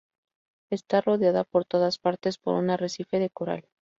Está rodeada por todas partes por un arrecife de coral.